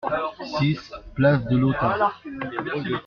six place de Lautat